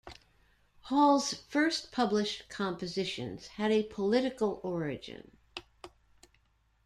Hall's first published compositions had a political origin.